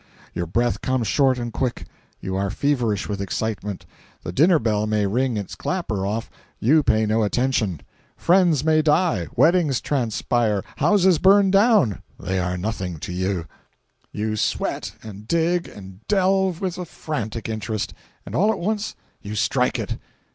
Your breath comes short and quick, you are feverish with excitement; the dinner bell may ring its clapper off, you pay no attention; friends may die, weddings transpire, houses burn down, they are nothing to you; you sweat and dig and delve with a frantic interest—and all at once you strike it!